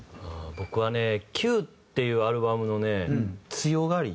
僕はね『Ｑ』っていうアルバムのね『つよがり』。